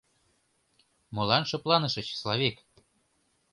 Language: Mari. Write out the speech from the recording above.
— Молан шыпланышыч, Славик?